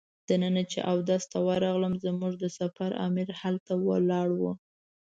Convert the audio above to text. دننه چې اودس ته ورغلم زموږ د سفر امیر هلته ولاړ و.